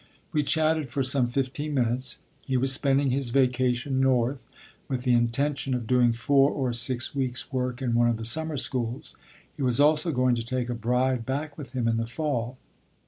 We chatted for some fifteen minutes. He was spending his vacation north, with the intention of doing four or six weeks' work in one of the summer schools; he was also going to take a bride back with him in the fall.